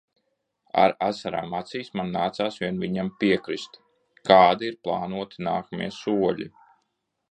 Ar asarām acīs man nācās vien viņam piekrist. Kādi ir plānoti nākamie soļi?